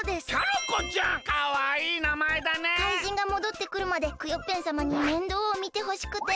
怪人がもどってくるまでクヨッペンさまに面倒をみてほしくて。